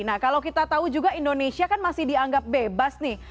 nah kalau kita tahu juga indonesia kan masih dianggap bebas nih